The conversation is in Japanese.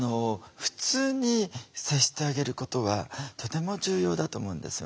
普通に接してあげることはとても重要だと思うんですよね。